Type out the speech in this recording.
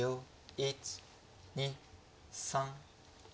１２３。